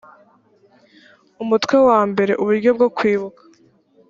umutwe wa mbere uburyo bwo kwibuka